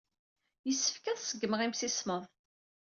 Yessefk ad ṣeggmeɣ imsismeḍ.